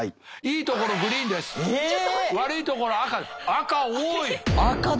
赤多い！